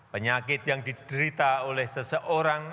penyakit yang diderita oleh seseorang